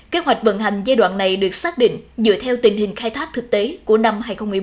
kế hoạch vận hành giai đoạn này được xác định dựa theo tình hình khai thác thực tế của năm hai nghìn một mươi bốn